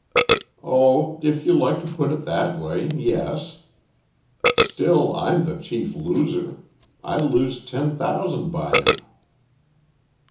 "Oh, if you like to put it that way; yes. Still I'm the chief loser. I lose ten thousand by him."